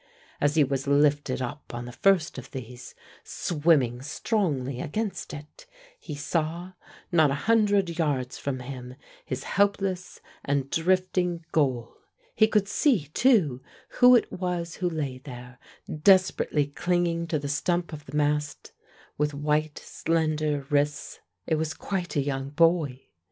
As he was lifted up on the first of these, swimming strongly against it, he saw not a hundred yards from him his helpless and drifting goal. He could see, too, who it was who lay there, desperately clinging to the stump of the mast with white slender wrists; it was quite a young boy.